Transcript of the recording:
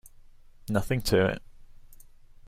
Nothing to it.